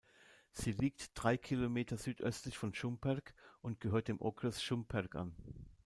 Sie liegt drei Kilometer südöstlich von Šumperk und gehört dem Okres Šumperk an.